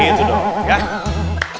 gitu dong ya